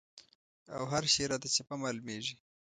او هر شی راته چپه معلومېږي.